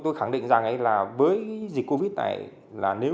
tôi khẳng định rằng với dịch covid này